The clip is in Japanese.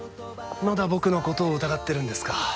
まだ僕のことを疑ってるんですか。